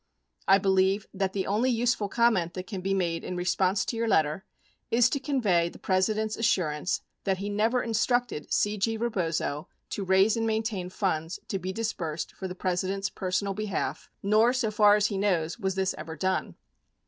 I believe that the only useful comment that can be made in response to your letter is to convey the President's assurance that he never instructed C. G. Rebozo to raise and maintain funds to be disbursed for the President's personal behalf, nor so far as he knows was this ever done.